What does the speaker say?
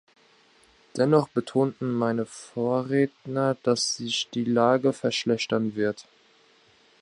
Dennoch betonten meine Vorredner, dass sich die Lage verschlechtern wird.